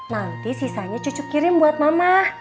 nanti sisanya cucu kirim buat mama